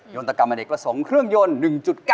ยนตรกรรมอเนกละ๒เครื่องยนต์